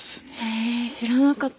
ええ知らなかったです。